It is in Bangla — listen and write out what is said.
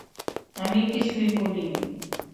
আমি কিছুই বলিনি।